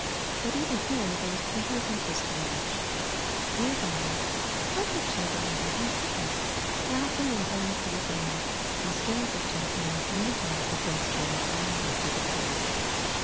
But even here there was plenty of interest to watch. Nearby a party of children were having a picnic, laughing and playing pretty games, while strings of Japanese lanterns had been strung up around them through the trees.